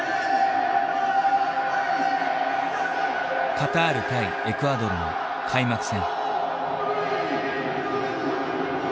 カタール対エクアドルの開幕戦。